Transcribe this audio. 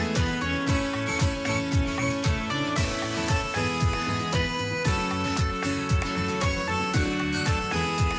สวัสดีครับ